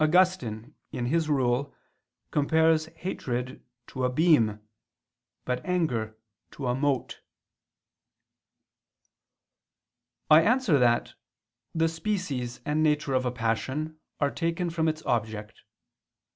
On the contrary, Augustine, in his Rule, compares hatred to "a beam," but anger to "a mote." I answer that, The species and nature of a passion are taken from its object.